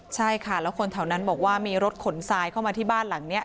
ใช่ค่ะแล้วคนแถวนั้นบอกว่ามีรถขนทรายเข้ามาที่บ้านหลังนี้